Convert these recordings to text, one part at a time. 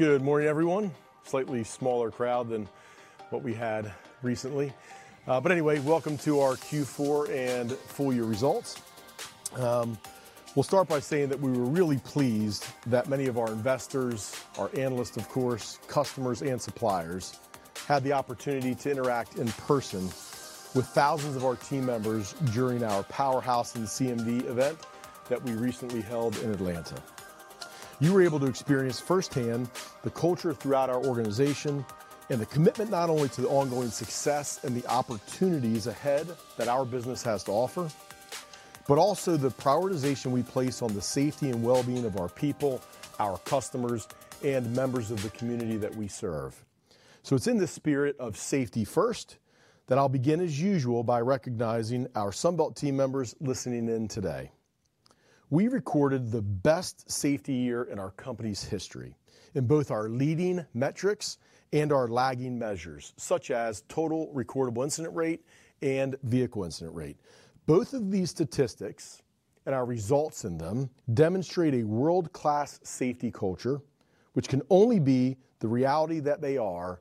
Good morning, everyone. Slightly smaller crowd than what we had recently. But anyway, welcome to our Q4 and full year results. We'll start by saying that we were really pleased that many of our investors, our analysts, of course, customers, and suppliers, had the opportunity to interact in person with thousands of our team members during our Powerhouse and CMD event that we recently held in Atlanta. You were able to experience firsthand the culture throughout our organization and the commitment not only to the ongoing success and the opportunities ahead that our business has to offer, but also the prioritization we place on the safety and well-being of our people, our customers, and members of the community that we serve. So it's in the spirit of safety first, that I'll begin, as usual, by recognizing our Sunbelt team members listening in today. We recorded the best safety year in our company's history, in both our leading metrics and our lagging measures, such as total recordable incident rate and vehicle incident rate. Both of these statistics and our results in them demonstrate a world-class safety culture, which can only be the reality that they are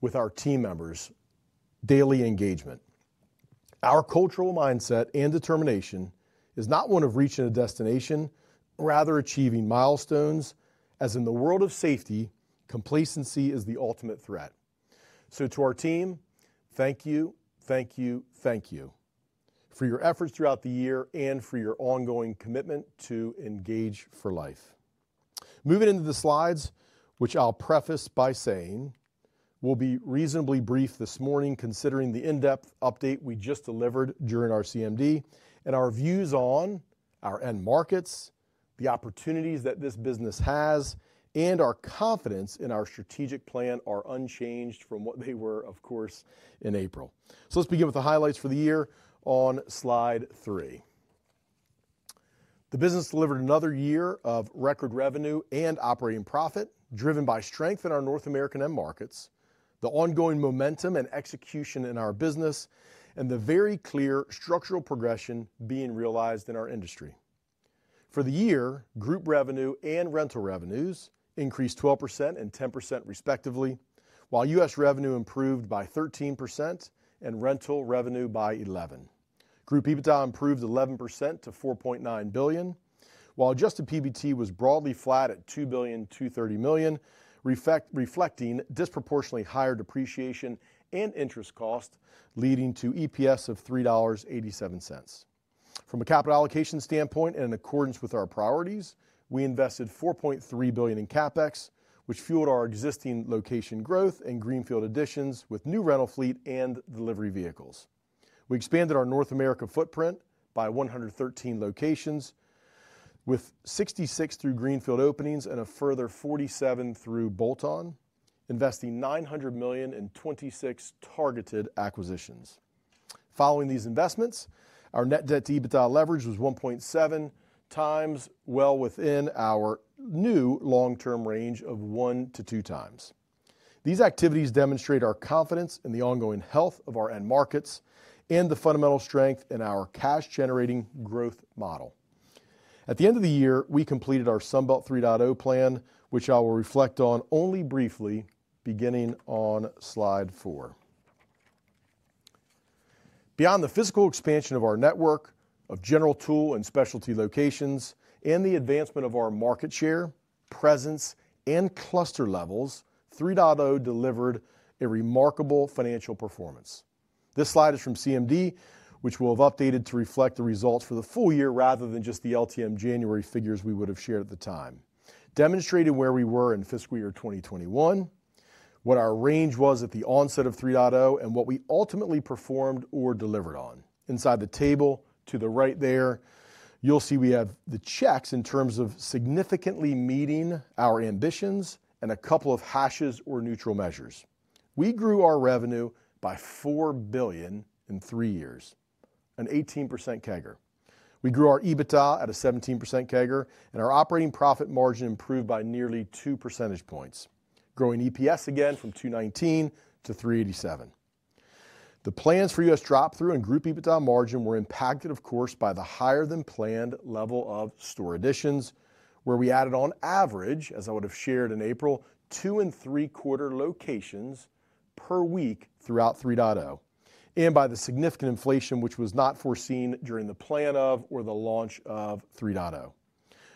with our team members' daily engagement. Our cultural mindset and determination is not one of reaching a destination, but rather achieving milestones, as in the world of safety, complacency is the ultimate threat. So to our team, thank you, thank you, thank you for your efforts throughout the year and for your ongoing commitment to engage for life. Moving into the slides, which I'll preface by saying, will be reasonably brief this morning, considering the in-depth update we just delivered during our CMD and our views on our end markets, the opportunities that this business has, and our confidence in our strategic plan are unchanged from what they were, of course, in April. So let's begin with the highlights for the year on slide three. The business delivered another year of record revenue and operating profit, driven by strength in our North American end markets, the ongoing momentum and execution in our business, and the very clear structural progression being realized in our industry. For the year, group revenue and rental revenues increased 12% and 10%, respectively, while U.S. revenue improved by 13% and rental revenue by 11%. Group EBITDA improved 11% to $4.9 billion, while adjusted PBT was broadly flat at $2.23 billion, reflecting disproportionately higher depreciation and interest cost, leading to EPS of $3.87. From a capital allocation standpoint and in accordance with our priorities, we invested $4.3 billion in CapEx, which fueled our existing location growth and greenfield additions with new rental fleet and delivery vehicles. We expanded our North America footprint by 113 locations, with 66 through greenfield openings and a further 47 through bolt-on, investing $900 million in 26 targeted acquisitions. Following these investments, our net debt to EBITDA leverage was 1.7x, well within our new long-term range of 1x-2x. These activities demonstrate our confidence in the ongoing health of our end markets and the fundamental strength in our cash-generating growth model. At the end of the year, we completed our Sunbelt 3.0 plan, which I will reflect on only briefly, beginning on slide three. Beyond the physical expansion of our network of General Tool and Specialty locations and the advancement of our market share, presence, and cluster levels, 3.0 delivered a remarkable financial performance. This slide is from CMD, which we'll have updated to reflect the results for the full year rather than just the LTM January figures we would have shared at the time, demonstrating where we were in fiscal year 2021, what our range was at the onset of 3.0, and what we ultimately performed or delivered on. Inside the table to the right there, you'll see we have the checks in terms of significantly meeting our ambitions and a couple of hashes or neutral measures. We grew our revenue by $4 billion in three years, an 18% CAGR. We grew our EBITDA at a 17% CAGR, and our operating profit margin improved by nearly two percentage points, growing EPS again from 219 to 387. The plans for U.S. drop-through and group EBITDA margin were impacted, of course, by the higher than planned level of store additions, where we added on average, as I would have shared in April, 2.75 locations per week throughout 3.0, and by the significant inflation which was not foreseen during the plan of or the launch of 3.0.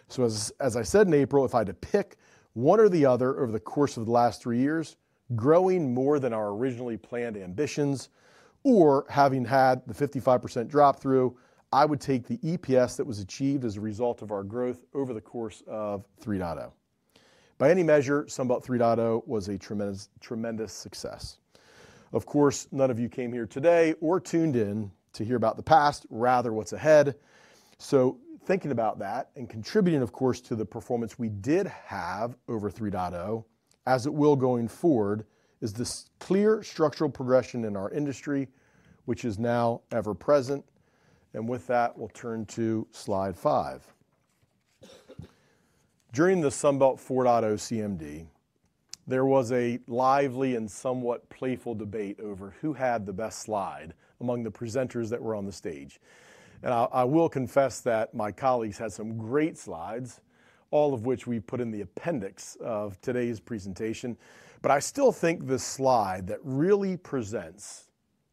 So as I said in April, if I had to pick one or the other over the course of the last three years, growing more than our originally planned ambitions or having had the 55% drop-through, I would take the EPS that was achieved as a result of our growth over the course of 3.0. By any measure, Sunbelt 3.0 was a tremendous, tremendous success. Of course, none of you came here today or tuned in to hear about the past, rather what's ahead. So thinking about that and contributing, of course, to the performance we did have over 3.0, as it will going forward, is this clear structural progression in our industry, which is now ever present. And with that, we'll turn to slide five. During the Sunbelt 4.0 CMD, there was a lively and somewhat playful debate over who had the best slide among the presenters that were on the stage. And I, I will confess that my colleagues had some great slides, all of which we put in the appendix of today's presentation. But I still think the slide that really presents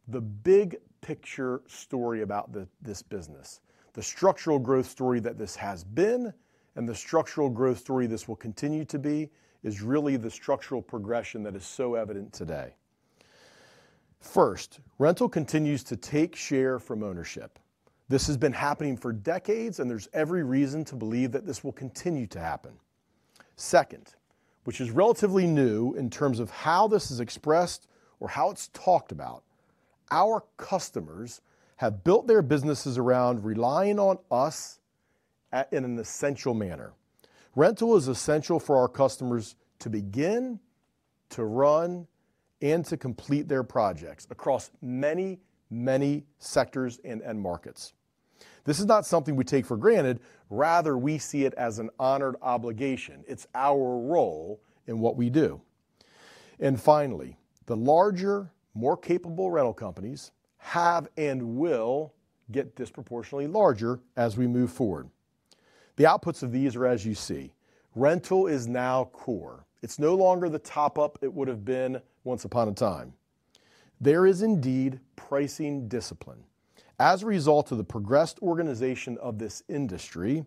the big picture story about the, this business, the structural growth story that this has been, and the structural growth story this will continue to be, is really the structural progression that is so evident today. First, rental continues to take share from ownership. This has been happening for decades, and there's every reason to believe that this will continue to happen. Second, which is relatively new in terms of how this is expressed or how it's talked about, our customers have built their businesses around relying on us in an essential manner. Rental is essential for our customers to begin, to run, and to complete their projects across many, many sectors and end markets. This is not something we take for granted; rather we see it as an honored obligation. It's our role in what we do. And finally, the larger, more capable rental companies have and will get disproportionately larger as we move forward. The outputs of these are, as you see. Rental is now core. It's no longer the top-up it would have been once upon a time. There is indeed pricing discipline as a result of the progressed organization of this industry,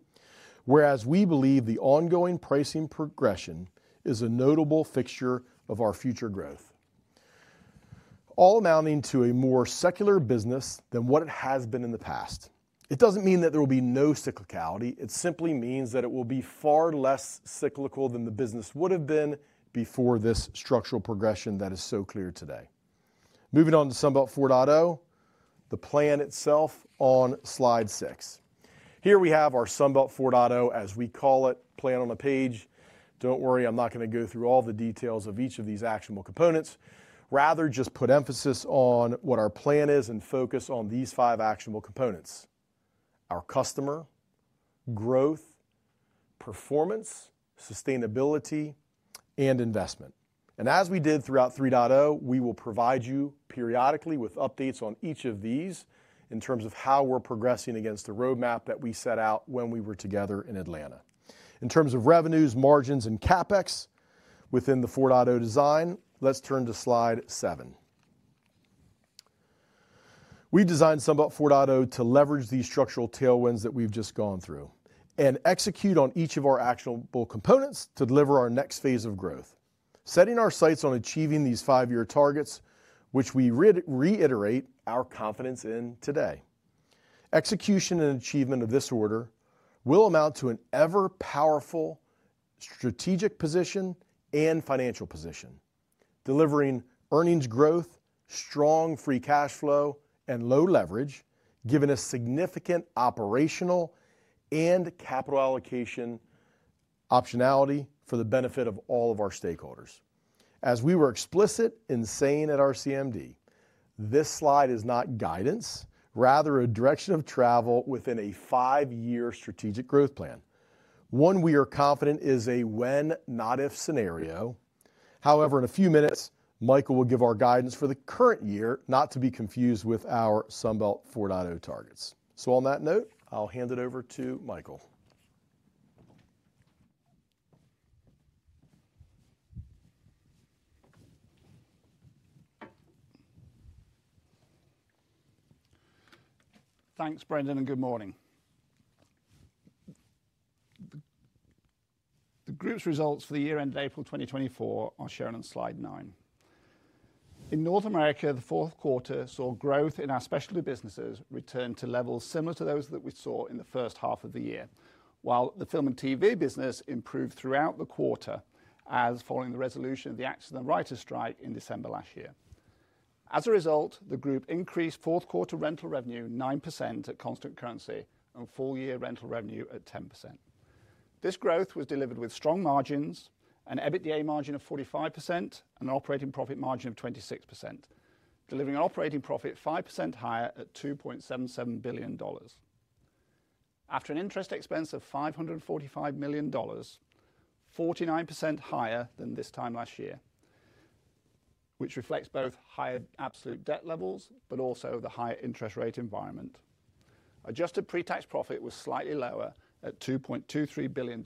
whereas we believe the ongoing pricing progression is a notable fixture of our future growth, all amounting to a more secular business than what it has been in the past. It doesn't mean that there will be no cyclicality. It simply means that it will be far less cyclical than the business would have been before this structural progression that is so clear today. Moving on to Sunbelt 4.0, the plan itself on slide six. Here we have our Sunbelt 4.0, as we call it, plan on a page. Don't worry, I'm not gonna go through all the details of each of these actionable components, rather just put emphasis on what our plan is and focus on these five actionable components: our customer, growth, performance, sustainability, and investment. As we did throughout Sunbelt 3.0, we will provide you periodically with updates on each of these in terms of how we're progressing against the roadmap that we set out when we were together in Atlanta. In terms of revenues, margins, and CapEx within the Sunbelt 4.0 design, let's turn to slide seven. We designed Sunbelt 4.0 to leverage these structural tailwinds that we've just gone through and execute on each of our actionable components to deliver our next phase of growth, setting our sights on achieving these five-year targets, which we reiterate our confidence in today. Execution and achievement of this order will amount to an ever-powerful strategic position and financial position, delivering earnings growth, strong free cash flow, and low leverage, giving us significant operational and capital allocation optionality for the benefit of all of our stakeholders. As we were explicit in saying at our CMD, this slide is not guidance, rather a direction of travel within a five-year strategic growth plan, one we are confident is a when, not if, scenario. However, in a few minutes, Michael will give our guidance for the current year, not to be confused with our Sunbelt 4.0 targets. On that note, I'll hand it over to Michael. Thanks, Brendan, and good morning. The group's results for the year end April 2024 are shown on slide nine. In North America, the fourth quarter saw growth in our Specialty businesses return to levels similar to those that we saw in the first half of the year, while the Film & TV business improved throughout the quarter as following the resolution of the actors and writers strike in December last year. As a result, the group increased fourth quarter rental revenue 9% at constant currency and full-year rental revenue at 10%. This growth was delivered with strong margins and EBITDA margin of 45% and an operating profit margin of 26%, delivering an operating profit 5% higher at $2.77 billion. After an interest expense of $545 million, 49% higher than this time last year, which reflects both higher absolute debt levels but also the higher interest rate environment. Adjusted pre-tax profit was slightly lower at $2.23 billion.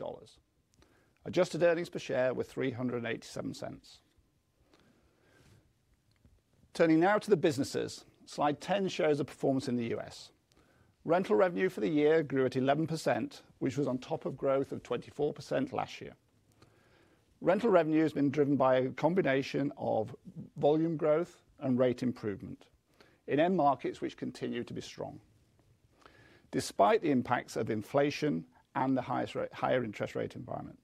Adjusted earnings per share were $3.87. Turning now to the businesses, slide 10 shows the performance in the U.S. Rental revenue for the year grew at 11%, which was on top of growth of 24% last year. Rental revenue has been driven by a combination of volume growth and rate improvement in end markets, which continue to be strong, despite the impacts of inflation and the higher interest rate environment.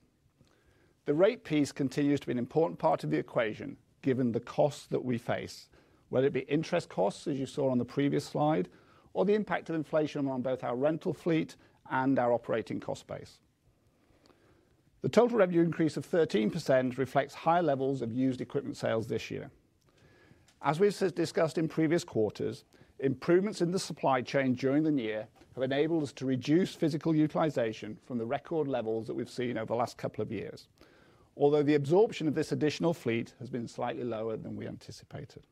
The rate piece continues to be an important part of the equation, given the costs that we face, whether it be interest costs, as you saw on the previous slide, or the impact of inflation on both our rental fleet and our operating cost base. The total revenue increase of 13% reflects high levels of used equipment sales this year. As we've discussed in previous quarters, improvements in the supply chain during the year have enabled us to reduce physical utilization from the record levels that we've seen over the last couple of years. Although the absorption of this additional fleet has been slightly lower than we anticipated.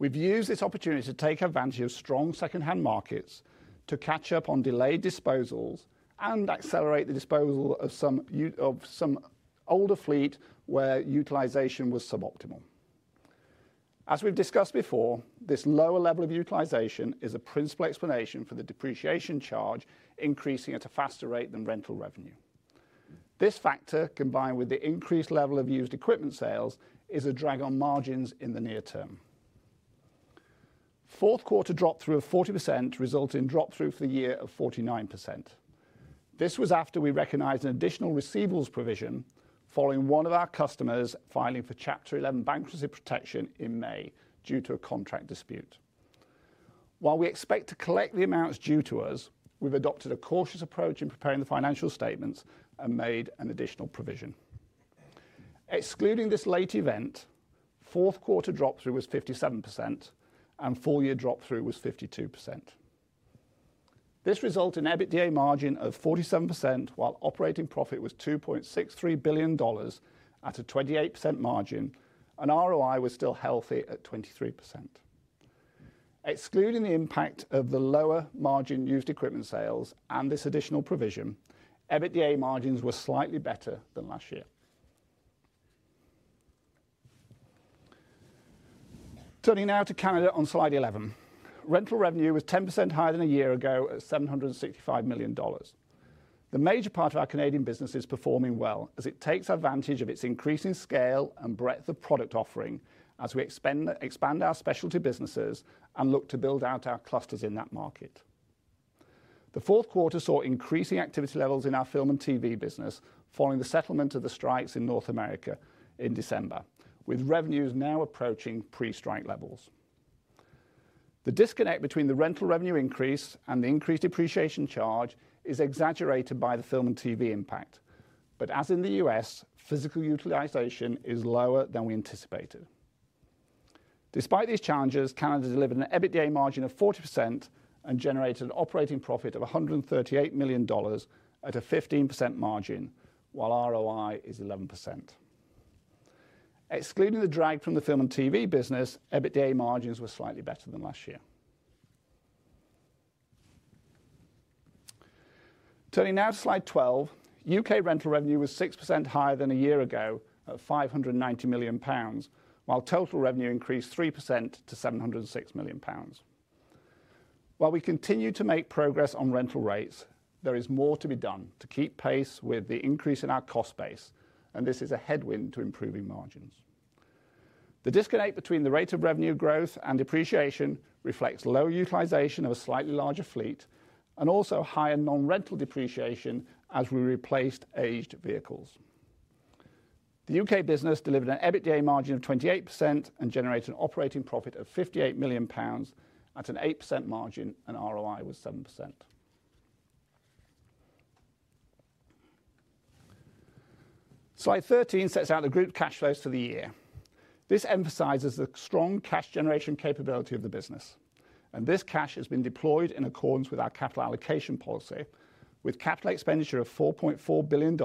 We've used this opportunity to take advantage of strong secondhand markets to catch up on delayed disposals and accelerate the disposal of some of some older fleet where utilization was suboptimal. As we've discussed before, this lower level of utilization is a principal explanation for the depreciation charge increasing at a faster rate than rental revenue. This factor, combined with the increased level of used equipment sales, is a drag on margins in the near term. Fourth quarter drop-through of 40% resulted in drop-through for the year of 49%. This was after we recognized an additional receivables provision following one of our customers filing for Chapter 11 bankruptcy protection in May due to a contract dispute. While we expect to collect the amounts due to us, we've adopted a cautious approach in preparing the financial statements and made an additional provision. Excluding this late event, fourth quarter drop-through was 57%, and full year drop-through was 52%. This resulted in EBITDA margin of 47%, while operating profit was $2.63 billion at a 28% margin, and ROI was still healthy at 23%. Excluding the impact of the lower margin used equipment sales and this additional provision, EBITDA margins were slightly better than last year. Turning now to Canada on slide 11. Rental revenue was 10% higher than a year ago at $765 million. The major part of our Canadian business is performing well as it takes advantage of its increasing scale and breadth of product offering as we expand our Specialty businesses and look to build out our clusters in that market. The fourth quarter saw increasing activity levels in our Film & TV business, following the settlement of the strikes in North America in December, with revenues now approaching pre-strike levels. The disconnect between the rental revenue increase and the increased depreciation charge is exaggerated by the Film & TV impact. But as in the U.S., physical utilization is lower than we anticipated. Despite these challenges, Canada delivered an EBITDA margin of 40% and generated an operating profit of $138 million at a 15% margin, while ROI is 11%. Excluding the drag from the Film & TV business, EBITDA margins were slightly better than last year. Turning now to slide 12. U.K. rental revenue was 6% higher than a year ago, at 590 million pounds, while total revenue increased 3% to 706 million pounds. While we continue to make progress on rental rates, there is more to be done to keep pace with the increase in our cost base, and this is a headwind to improving margins. The disconnect between the rate of revenue growth and depreciation reflects lower utilization of a slightly larger fleet and also higher non-rental depreciation as we replaced aged vehicles. The U.K. business delivered an EBITDA margin of 28% and generated an operating profit of 58 million pounds at an 8% margin, and ROI was 7%. Slide 13 sets out the group cash flows for the year. This emphasizes the strong cash generation capability of the business, and this cash has been deployed in accordance with our capital allocation policy, with capital expenditure of $4.4 billion,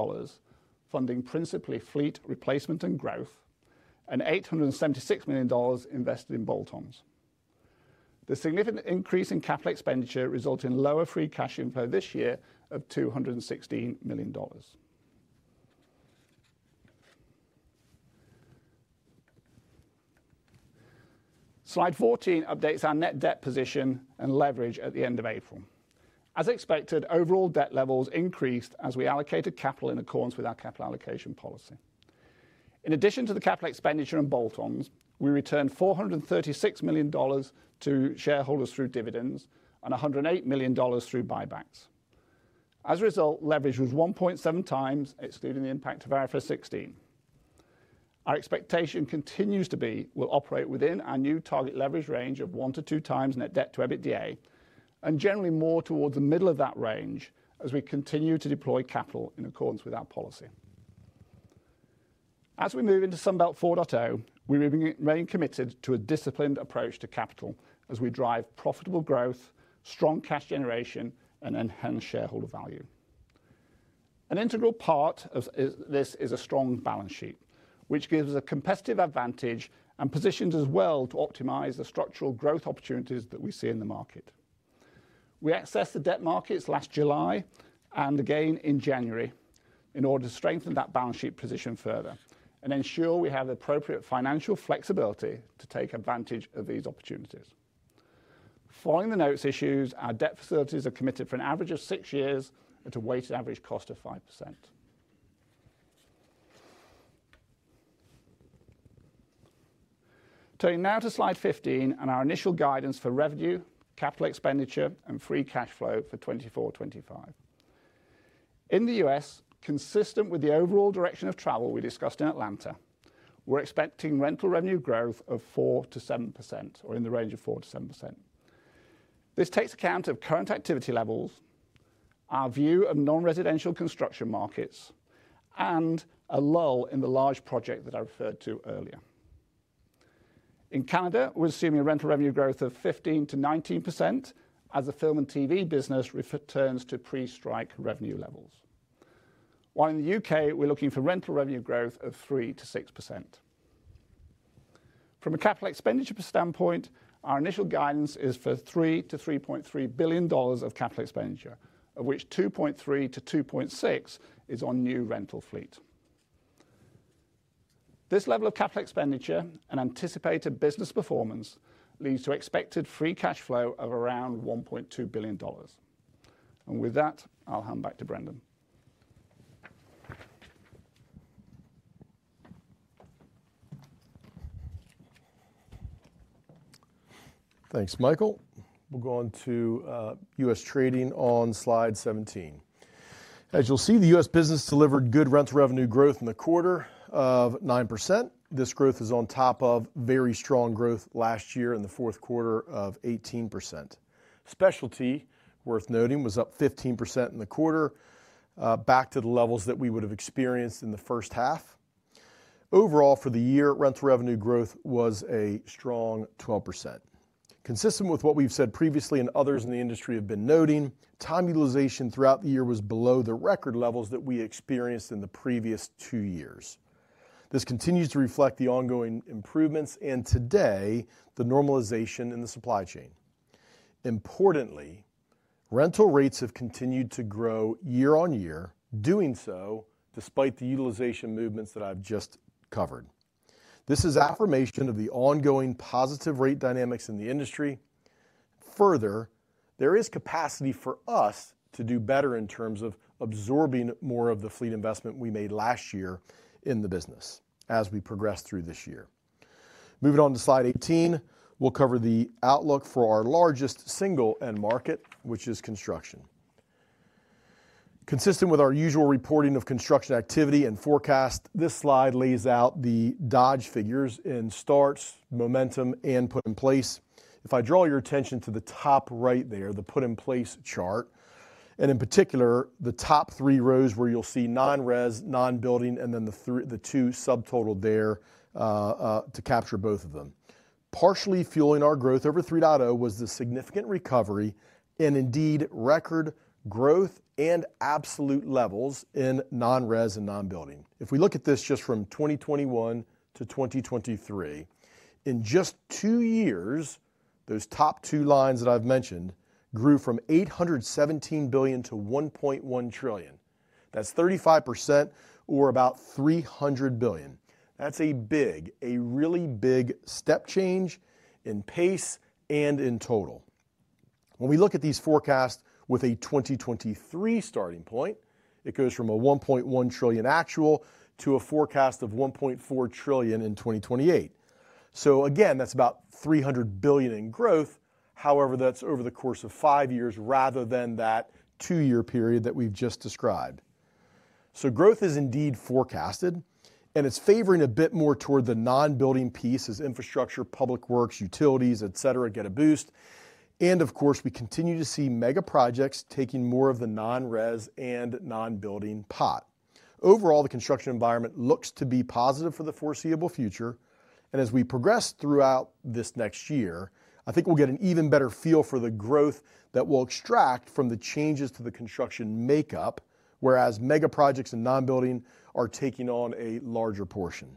funding principally fleet replacement and growth, and $876 million invested in bolt-ons. The significant increase in capital expenditure resulted in lower free cash inflow this year of $216 million. Slide 14 updates our net debt position and leverage at the end of April. As expected, overall debt levels increased as we allocated capital in accordance with our capital allocation policy. In addition to the capital expenditure and bolt-ons, we returned $436 million to shareholders through dividends and $108 million through buybacks. As a result, leverage was 1.7 times, excluding the impact of IFRS 16. Our expectation continues to be we'll operate within our new target leverage range of 1x-2x net debt to EBITDA, and generally more towards the middle of that range as we continue to deploy capital in accordance with our policy. As we move into Sunbelt 4.0, we remain committed to a disciplined approach to capital as we drive profitable growth, strong cash generation, and enhance shareholder value. An integral part of this is a strong balance sheet, which gives us a competitive advantage and positions us well to optimize the structural growth opportunities that we see in the market. We accessed the debt markets last July and again in January in order to strengthen that balance sheet position further and ensure we have the appropriate financial flexibility to take advantage of these opportunities. Following the notes issues, our debt facilities are committed for an average of six years at a weighted average cost of 5%. Turning now to slide 15 and our initial guidance for revenue, capital expenditure, and free cash flow for 2024, 2025. In the U.S., consistent with the overall direction of travel we discussed in Atlanta, we're expecting rental revenue growth of 4%-7%, or in the range of 4%-7%. This takes account of current activity levels, our view of non-residential construction markets, and a lull in the large project that I referred to earlier. In Canada, we're assuming a rental revenue growth of 15%-19% as the Film & TV business returns to pre-strike revenue levels. While in the U.K., we're looking for rental revenue growth of 3%-6%. From a capital expenditure standpoint, our initial guidance is for $3 billion-$3.3 billion of capital expenditure, of which $2.3 billion-$2.6 billion is on new rental fleet. This level of capital expenditure and anticipated business performance leads to expected free cash flow of around $1.2 billion. And with that, I'll hand back to Brendan. Thanks, Michael. We'll go on to U.S. trading on slide 17. As you'll see, the U.S. business delivered good rents revenue growth in the quarter of 9%. This growth is on top of very strong growth last year in the fourth quarter of 18%. Specialty, worth noting, was up 15% in the quarter, back to the levels that we would have experienced in the first half. Overall, for the year, rental revenue growth was a strong 12%. Consistent with what we've said previously and others in the industry have been noting, time utilization throughout the year was below the record levels that we experienced in the previous two years. This continues to reflect the ongoing improvements and today, the normalization in the supply chain. Importantly, rental rates have continued to grow year on year, doing so despite the utilization movements that I've just covered. This is affirmation of the ongoing positive rate dynamics in the industry. Further, there is capacity for us to do better in terms of absorbing more of the fleet investment we made last year in the business as we progress through this year. Moving on to slide 18, we'll cover the outlook for our largest single end market, which is construction. Consistent with our usual reporting of construction activity and forecast, this slide lays out the Dodge figures in starts, momentum, and put in place. If I draw your attention to the top right there, the put in place chart, and in particular, the top three rows where you'll see non-res, non-building, and then the two subtotal there, to capture both of them. Partially fueling our growth over 3.0 was the significant recovery and indeed record growth and absolute levels in non-res and non-building. If we look at this just from 2021 to 2023, in just two years, those top two lines that I've mentioned grew from $817 billion to $1.1 trillion. That's 35% or about $300 billion. That's a big, a really big step change in pace and in total. When we look at these forecasts with a 2023 starting point, it goes from a $1.1 trillion actual to a forecast of $1.4 trillion in 2028. So again, that's about $300 billion in growth. However, that's over the course of five years rather than that two-year period that we've just described. So growth is indeed forecasted, and it's favoring a bit more toward the non-building piece as infrastructure, public works, utilities, etc., get a boost. Of course, we continue to see mega projects taking more of the non-res and non-building pot. Overall, the construction environment looks to be positive for the foreseeable future, and as we progress throughout this next year, I think we'll get an even better feel for the growth that will extract from the changes to the construction makeup, whereas mega projects and non-building are taking on a larger portion.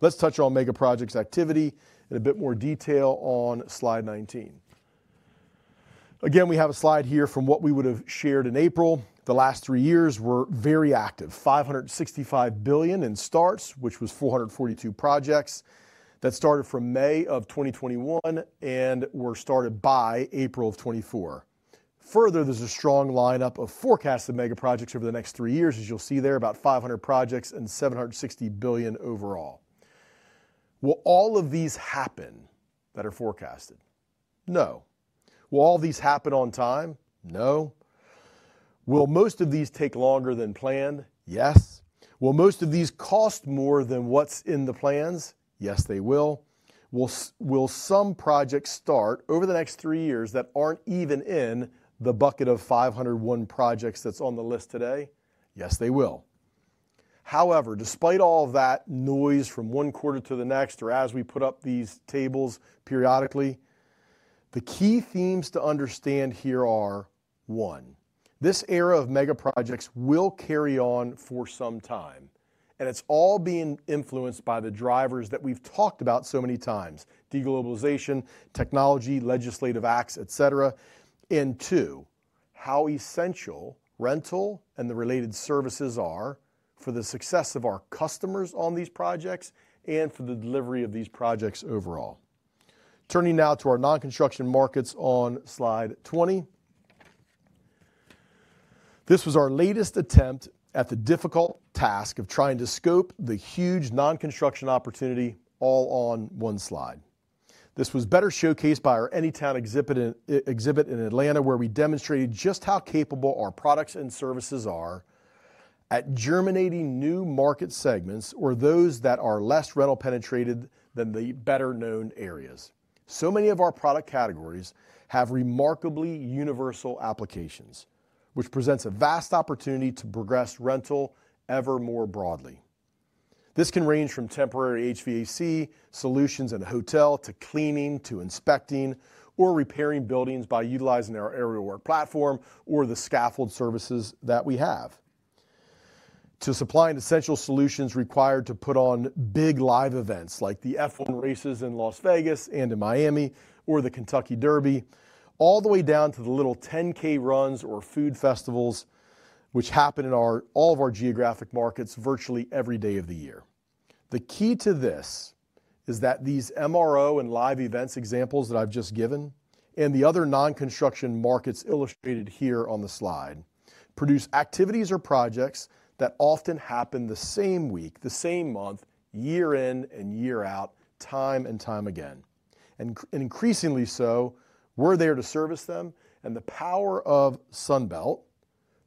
Let's touch on mega projects activity in a bit more detail on slide 19. Again, we have a slide here from what we would have shared in April. The last three years were very active, $565 billion in starts, which was 442 projects that started from May of 2021 and were started by April of 2024. Further, there's a strong lineup of forecasts of mega projects over the next three years. As you'll see there, about 500 projects and $760 billion overall. Will all of these happen that are forecasted? No. Will all these happen on time? No. Will most of these take longer than planned? Yes. Will most of these cost more than what's in the plans? Yes, they will. Will some projects start over the next three years that aren't even in the bucket of 501 projects that's on the list today? Yes, they will. However, despite all of that noise from one quarter to the next, or as we put up these tables periodically, the key themes to understand here are, one, this era of mega projects will carry on for some time, and it's all being influenced by the drivers that we've talked about so many times: deglobalization, technology, legislative acts, etc. And two, how essential rental and the related services are for the success of our customers on these projects and for the delivery of these projects overall. Turning now to our non-construction markets on slide 20. This was our latest attempt at the difficult task of trying to scope the huge non-construction opportunity all on one slide. This was better showcased by our Anytown exhibit in Atlanta, where we demonstrated just how capable our products and services are at germinating new market segments or those that are less rental penetrated than the better-known areas. So many of our product categories have remarkably universal applications, which presents a vast opportunity to progress rental ever more broadly. This can range from temporary HVAC solutions in a hotel, to cleaning, to inspecting or repairing buildings by utilizing our aerial work platform or the scaffold services that we have. To supply the essential solutions required to put on big live events, like the F1 races in Las Vegas and in Miami, or the Kentucky Derby, all the way down to the little 10K runs or food festivals, which happen in our, all of our geographic markets virtually every day of the year. The key to this is that these MRO and live events examples that I've just given, and the other non-construction markets illustrated here on the slide, produce activities or projects that often happen the same week, the same month, year in and year out, time and time again. Increasingly so, we're there to service them, and the power of Sunbelt,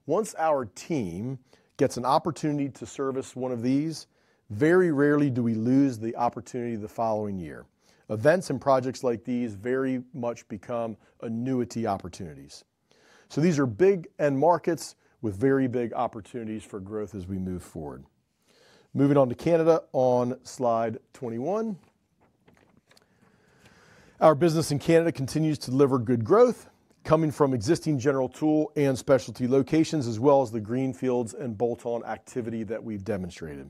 once our team gets an opportunity to service one of these, very rarely do we lose the opportunity the following year. Events and projects like these very much become annuity opportunities. So these are big end markets with very big opportunities for growth as we move forward. Moving on to Canada on slide 21. Our business in Canada continues to deliver good growth, coming from existing General Tool and Specialty locations, as well as the greenfields and bolt-on activity that we've demonstrated.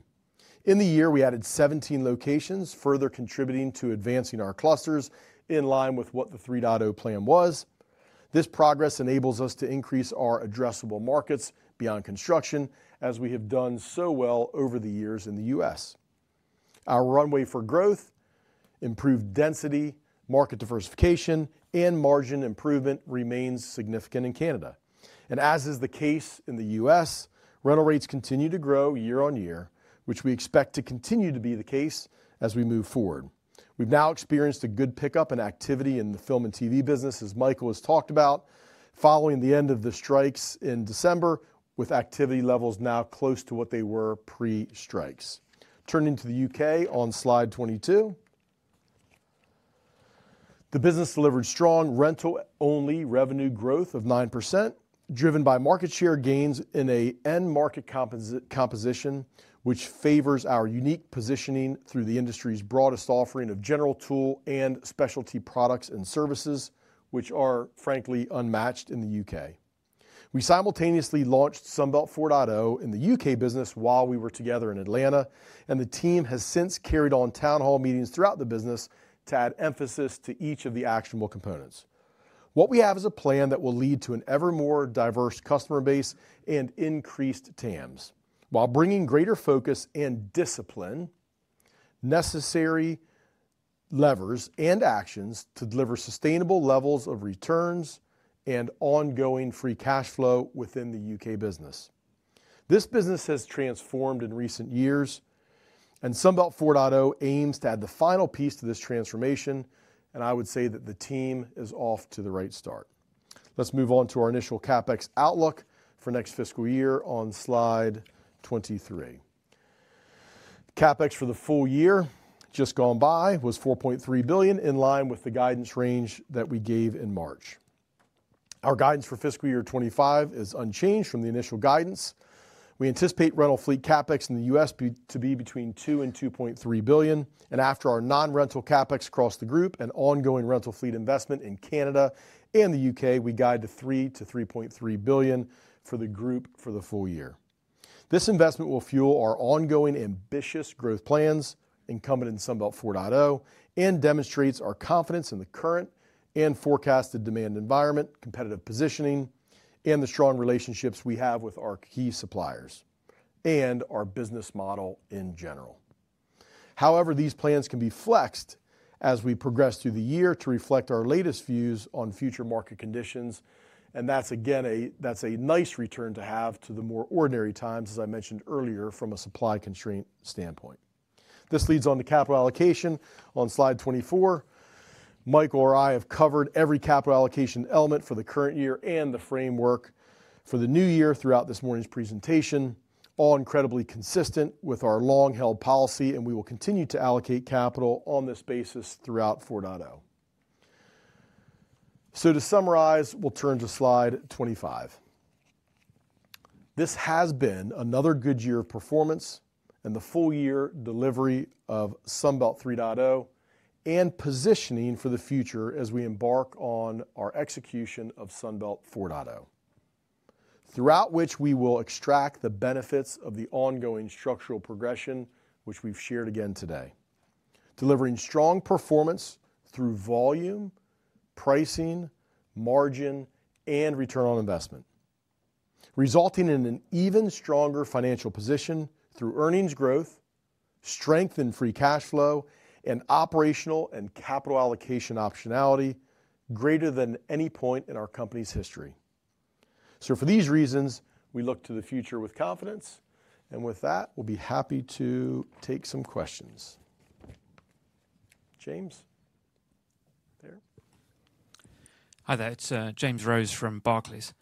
In the year, we added 17 locations, further contributing to advancing our clusters in line with what the 3.0 plan was. This progress enables us to increase our addressable markets beyond construction, as we have done so well over the years in the U.S. Our runway for growth, improved density, market diversification, and margin improvement remains significant in Canada. As is the case in the U.S., rental rates continue to grow year on year, which we expect to continue to be the case as we move forward. We've now experienced a good pickup in activity in the Film & TV business, as Michael has talked about, following the end of the strikes in December, with activity levels now close to what they were pre-strikes. Turning to the U.K. on slide 22. The business delivered strong rental-only revenue growth of 9%, driven by market share gains in an end-market composition, which favors our unique positioning through the industry's broadest offering of General Tool and Specialty products and services, which are frankly unmatched in the U.K. We simultaneously launched Sunbelt 4.0 in the U.K. business while we were together in Atlanta, and the team has since carried on town hall meetings throughout the business to add emphasis to each of the actionable components. What we have is a plan that will lead to an ever more diverse customer base and increased TAMs, while bringing greater focus and discipline, necessary levers and actions to deliver sustainable levels of returns and ongoing free cash flow within the U.K. business. This business has transformed in recent years, and Sunbelt 4.0 aims to add the final piece to this transformation, and I would say that the team is off to the right start. Let's move on to our initial CapEx outlook for next fiscal year on slide 23. CapEx for the full year just gone by was $4.3 billion, in line with the guidance range that we gave in March. Our guidance for fiscal year 2025 is unchanged from the initial guidance. We anticipate rental fleet CapEx in the U.S. to be between $2 billion and $2.3 billion, and after our non-rental CapEx across the group and ongoing rental fleet investment in Canada and the U.K., we guide to $3 billion-$3.3 billion for the group for the full year. This investment will fuel our ongoing ambitious growth plans incumbent in Sunbelt 4.0, and demonstrates our confidence in the current and forecasted demand environment, competitive positioning, and the strong relationships we have with our key suppliers, and our business model in general. However, these plans can be flexed as we progress through the year to reflect our latest views on future market conditions, and that's again, that's a nice return to have to the more ordinary times, as I mentioned earlier, from a supply constraint standpoint. This leads on to capital allocation on slide 24. Michael or I have covered every capital allocation element for the current year and the framework for the new year throughout this morning's presentation, all incredibly consistent with our long-held policy, and we will continue to allocate capital on this basis throughout 4.0. So to summarize, we'll turn to slide 25. This has been another good year of performance and the full year delivery of Sunbelt 3.0, and positioning for the future as we embark on our execution of Sunbelt 4.0. Throughout which, we will extract the benefits of the ongoing structural progression, which we've shared again today. Delivering strong performance through volume, pricing, margin, and return on investment, resulting in an even stronger financial position through earnings growth, strength in free cash flow, and operational and capital allocation optionality greater than any point in our company's history. So for these reasons, we look to the future with confidence, and with that, we'll be happy to take some questions. James? There. Hi there, it's James Rose from Barclays.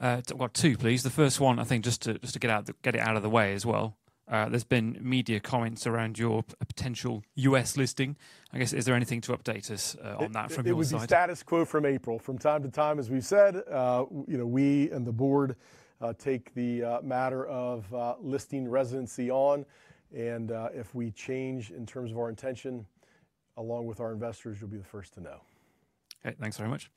Well, two, please. The first one, I think just to get it out of the way as well. There's been media comments around your potential U.S. listing. I guess, is there anything to update us on that from your side? It was the status quo from April. From time to time, as we've said, you know, we and the board take the matter of listing residency on, and if we change in terms of our intention, along with our investors, you'll be the first to know. Okay. Thanks very much.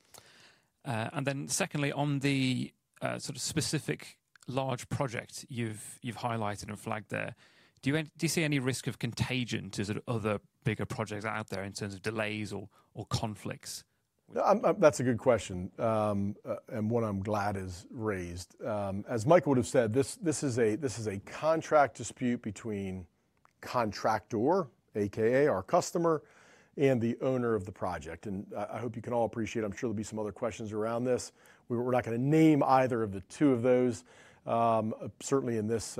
And then secondly, on the sort of specific large project you've highlighted and flagged there, do you see any risk of contagion to sort of other bigger projects out there in terms of delays or conflicts? That's a good question. And one I'm glad is raised. As Michael would have said, this is a contract dispute between contractor, aka our customer, and the owner of the project. And I hope you can all appreciate, I'm sure there'll be some other questions around this. We're not gonna name either of the two of those, certainly in this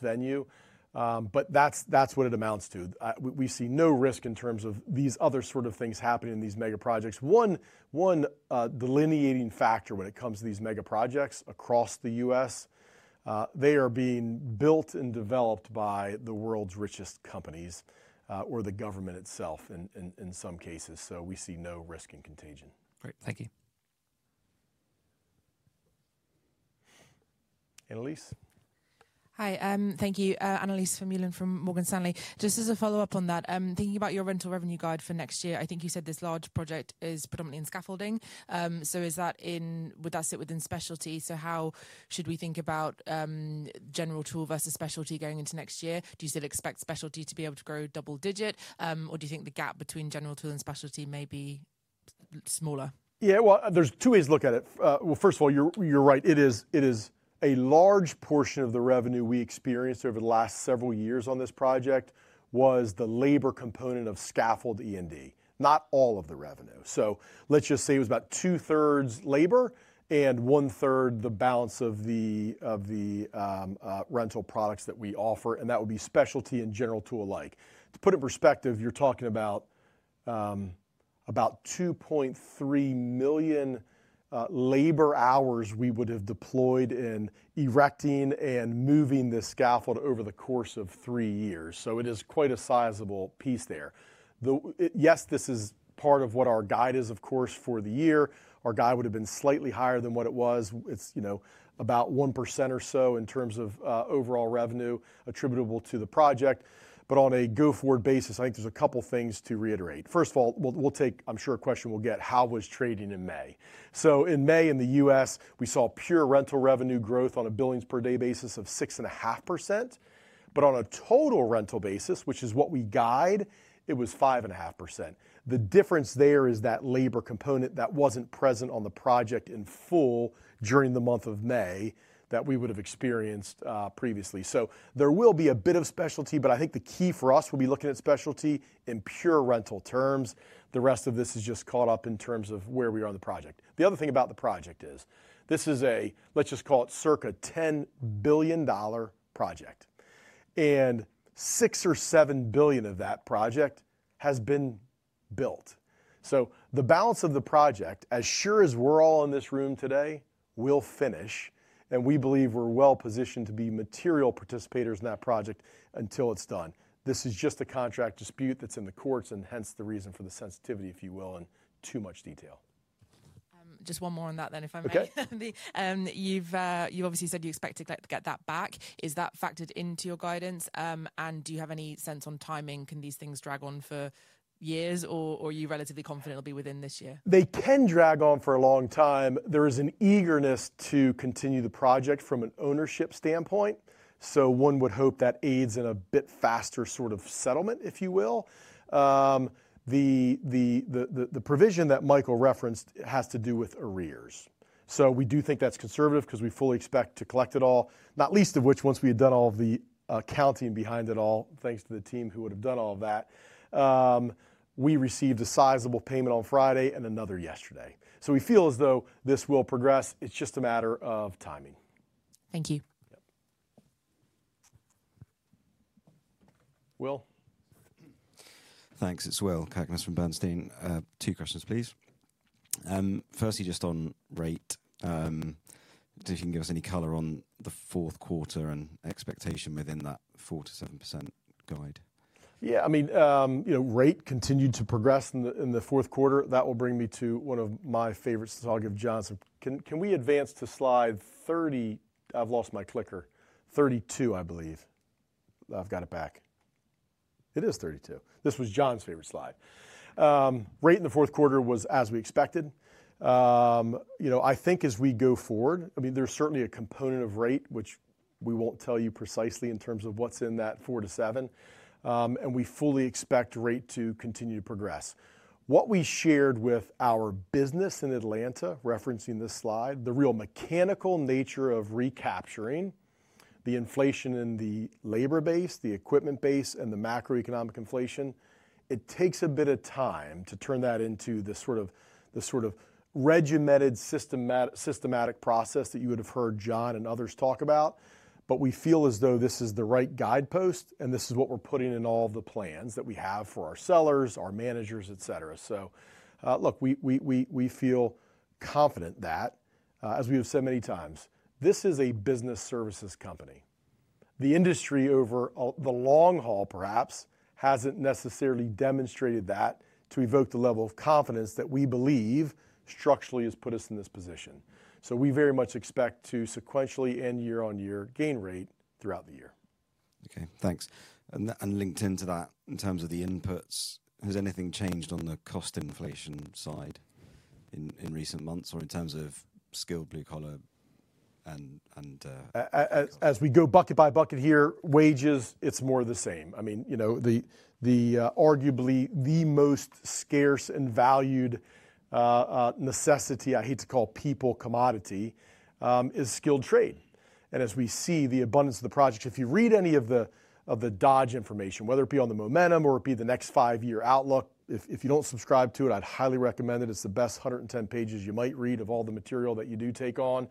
venue. But that's what it amounts to. We see no risk in terms of these other sort of things happening in these mega projects. One delineating factor when it comes to these mega projects across the U.S., they are being built and developed by the world's richest companies, or the government itself in some cases, so we see no risk in contagion. Great, thank you. Annelies? Hi, thank you. Annelies Vermeulen from Morgan Stanley. Just as a follow-up on that, thinking about your rental revenue guide for next year, I think you said this large project is predominantly in scaffolding. So would that sit within Specialty? So how should we think about General Tool versus Specialty going into next year? Do you still expect Specialty to be able to grow double digit? Or do you think the gap between General Tool and Specialty may be smaller? Yeah, well, there's two ways to look at it. Well, first of all, you're right. It is a large portion of the revenue we experienced over the last several years on this project was the labor component of scaffold E&D, not all of the revenue. So let's just say it was about 2/3 labor and 1/3 the balance of the rental products that we offer, and that would be Specialty and General Tool alike. To put it in perspective, you're talking about 2.3 million labor hours we would have deployed in erecting and moving the scaffold over the course of three years. So it is quite a sizable piece there. Yes, this is part of what our guide is, of course, for the year. Our guide would have been slightly higher than what it was. It's, you know, about 1% or so in terms of overall revenue attributable to the project. But on a go-forward basis, I think there's a couple things to reiterate. First of all, we'll, we'll take, I'm sure, a question we'll get, how was trading in May? So in May, in the U.S., we saw pure rental revenue growth on a billings per day basis of 6.5%, but on a total rental basis, which is what we guide, it was 5.5%. The difference there is that labor component that wasn't present on the project in full during the month of May, that we would have experienced previously. So there will be a bit of Specialty, but I think the key for us will be looking at Specialty in pure rental terms. The rest of this is just caught up in terms of where we are on the project. The other thing about the project is, this is a, let's just call it circa $10 billion project, and $6 billion or $7 billion of that project has been built. So the balance of the project, as sure as we're all in this room today, will finish, and we believe we're well positioned to be material participators in that project until it's done. This is just a contract dispute that's in the courts, and hence the reason for the sensitivity, if you will, and too much detail. Just one more on that then, if I may. Okay. You've obviously said you expect to get that back. Is that factored into your guidance? And do you have any sense on timing? Can these things drag on for years, or are you relatively confident it'll be within this year? They can drag on for a long time. There is an eagerness to continue the project from an ownership standpoint, so one would hope that aids in a bit faster sort of settlement, if you will. The provision that Michael referenced has to do with arrears. So we do think that's conservative because we fully expect to collect it all, not least of which, once we had done all of the accounting behind it all, thanks to the team who would have done all of that. We received a sizable payment on Friday and another yesterday. So we feel as though this will progress. It's just a matter of timing. Thank you. Yep. Will? Thanks. It's Will Gagnon from Bernstein. Two questions, please. Firstly, just on rate, if you can give us any color on the fourth quarter and expectation within that 4%-7% guide. Yeah, I mean, you know, rate continued to progress in the fourth quarter. That will bring me to one of my favorite slides of John's. Can we advance to slide 30? I've lost my clicker. 32, I believe. I've got it back. It is 32. This was John's favorite slide. Rate in the fourth quarter was as we expected. You know, I think as we go forward, I mean, there's certainly a component of rate, which we won't tell you precisely in terms of what's in that 4-7. And we fully expect rate to continue to progress. What we shared with our business in Atlanta, referencing this slide, the real mechanical nature of recapturing. The inflation in the labor base, the equipment base, and the macroeconomic inflation, it takes a bit of time to turn that into this sort of, this sort of regimented, systematic process that you would have heard John and others talk about. But we feel as though this is the right guidepost, and this is what we're putting in all the plans that we have for our sellers, our managers, et cetera. So, look, we feel confident that, as we have said many times, this is a business services company. The industry over the long haul, perhaps, hasn't necessarily demonstrated that to evoke the level of confidence that we believe structurally has put us in this position. So we very much expect to sequentially and year-on-year gain rate throughout the year. Okay, thanks. And linked into that, in terms of the inputs, has anything changed on the cost inflation side in recent months, or in terms of skilled blue collar. As we go bucket by bucket here, wages, it's more the same. I mean, you know, the arguably the most scarce and valued necessity, I hate to call people commodity, is skilled trade. And as we see the abundance of the project, if you read any of the Dodge information, whether it be on the momentum or it be the next five-year outlook, if you don't subscribe to it, I'd highly recommend it. It's the best 110 pages you might read of all the material that you do take on,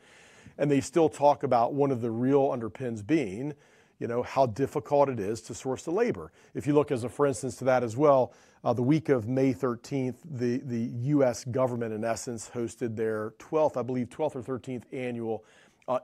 and they still talk about one of the real underpins being, you know, how difficult it is to source the labor. If you look as a, for instance, to that as well, the week of May 13th, the U.S. government, in essence, hosted their 12th, I believe, 12th or 13th Annual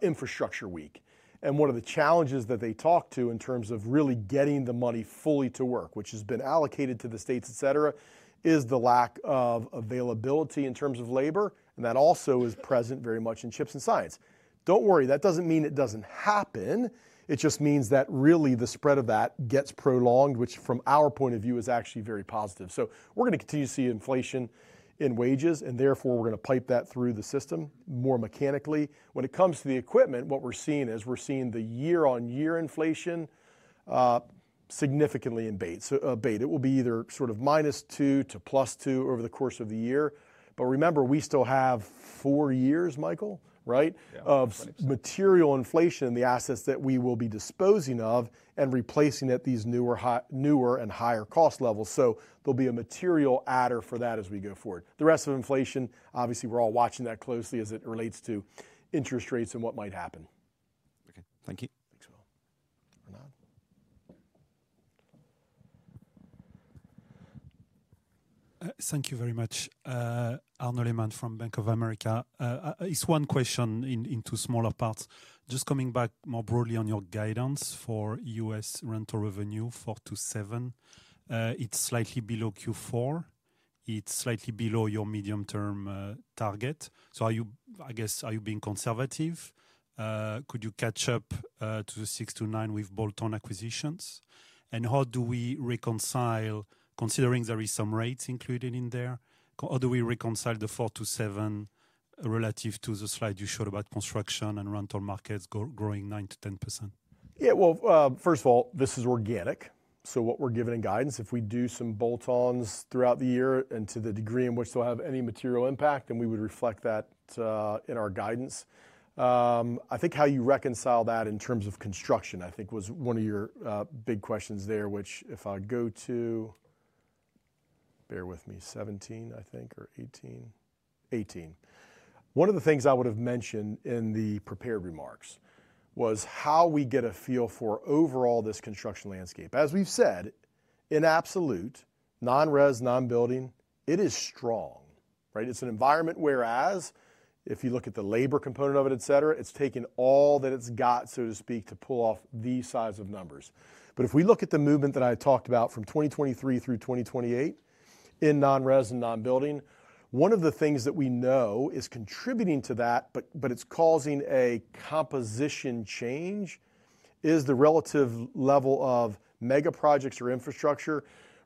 Infrastructure Week. And one of the challenges that they talked to in terms of really getting the money fully to work, which has been allocated to the states, et cetera, is the lack of availability in terms of labor, and that also is present very much in CHIPS and Science. Don't worry, that doesn't mean it doesn't happen. It just means that really the spread of that gets prolonged, which from our point of view, is actually very positive. So we're gonna continue to see inflation in wages, and therefore, we're gonna pipe that through the system more mechanically. When it comes to the equipment, what we're seeing is we're seeing the year-on-year inflation significantly abate. It will be either sort of -2 to +2 over the course of the year, but remember, we still have four years, Michael, right? Yeah. Of material inflation, the assets that we will be disposing of and replacing at these newer and higher cost levels. So there'll be a material adder for that as we go forward. The rest of inflation, obviously, we're all watching that closely as it relates to interest rates and what might happen. Okay, thank you. Thanks, well. Arnaud? Thank you very much. Arnaud Lehmann from Bank of America. It's one question in two smaller parts. Just coming back more broadly on your guidance for U.S. rental revenue, 4-7. It's slightly below Q4. It's slightly below your medium-term target. So are you... I guess, are you being conservative? Could you catch up to 6-9 with bolt-on acquisitions? And how do we reconcile, considering there is some rates included in there, how do we reconcile the 4-7 relative to the slide you showed about construction and rental markets growing 9%-10%? Yeah, well, first of all, this is organic. So what we're giving in guidance, if we do some bolt-ons throughout the year and to the degree in which they'll have any material impact, then we would reflect that in our guidance. I think how you reconcile that in terms of construction, I think, was one of your big questions there, which if I go to Bear with me, 17, I think, or 18. 18. One of the things I would have mentioned in the prepared remarks was how we get a feel for overall this construction landscape. As we've said, in absolute, non-res, non-building, it is strong, right? It's an environment whereas if you look at the labor component of it, et cetera, it's taken all that it's got, so to speak, to pull off these size of numbers. But if we look at the movement that I talked about from 2023 through 2028 in non-res and non-building, one of the things that we know is contributing to that, but, but it's causing a composition change, is the relative level of mega projects or infrastructure